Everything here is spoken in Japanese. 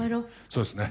そうですね。